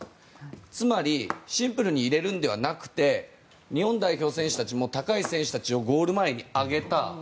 つまりシンプルに入れるのではなくて日本代表選手たちも高い選手たちをゴール前に上げた。